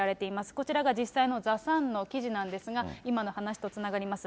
こちらが実際のザ・サンの記事なんですが、今の話とつながります。